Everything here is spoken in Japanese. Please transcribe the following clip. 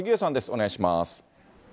お願いします。